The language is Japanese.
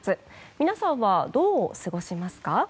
皆さんは、どう過ごしますか。